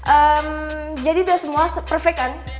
ehm jadi tidak semua perfect kan